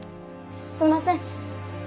すんません。